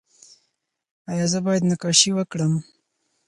ایا زه باید نقاشي وکړم؟